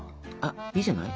いいんじゃない？